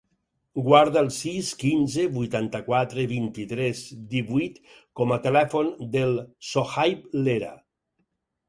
Guarda el sis, quinze, vuitanta-quatre, vint-i-tres, divuit com a telèfon del Sohaib Lera.